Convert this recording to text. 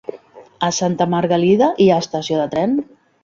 A Santa Margalida hi ha estació de tren?